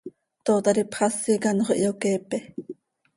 Tootar ipxasi quih anxö iyoqueepe.